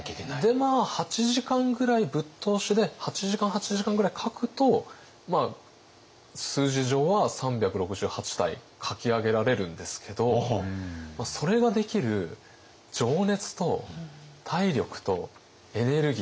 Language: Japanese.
で８時間ぐらいぶっ通しで８時間８時間ぐらい描くと数字上は３６８体描き上げられるんですけどそれができる情熱と体力とエネルギー。